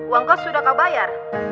uang kos sudah kau bayar